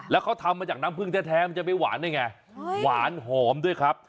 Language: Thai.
แล้วเขาทำมาจากน้ำผึ้งแท้มันจะไม่หวานได้ไงหวานหอมด้วยครับ